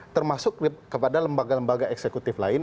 termasuk kepada lembaga lembaga eksekutif lain